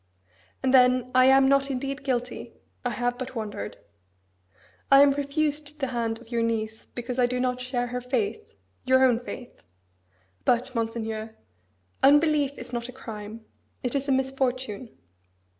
And then, I am not indeed guilty: I have but wandered. I am refused the hand of your niece because I do not share her faith your own faith. But, Monseigneur, unbelief is not a crime, it is a misfortune.